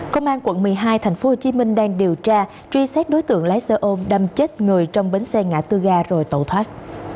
công an quận một mươi hai tp hcm đang điều tra truy xét đối tượng lái xe ôm đâm chết người trong bến xe ngã tư ga rồi tẩu thoát